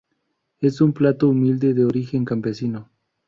Es un plato humilde de origen campesino.